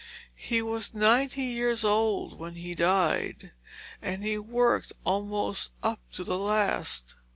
He was ninety years old when he died, and he worked almost up to the last.